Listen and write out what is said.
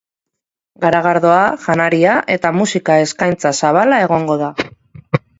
Garagardoa, janaria eta musika eskaintza zabala egongo da.